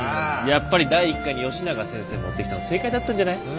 やっぱり第１回に吉永先生持ってきたの正解だったんじゃない？